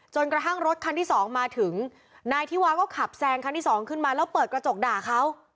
กระทั่งรถคันที่สองมาถึงนายธิวาก็ขับแซงคันที่สองขึ้นมาแล้วเปิดกระจกด่าเขา